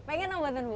pengen apa buatan bu